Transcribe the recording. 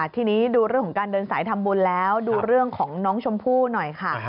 ทีนี้ดูเรื่องของการเดินสายทำบุญแล้วดูเรื่องของน้องชมพู่หน่อยค่ะ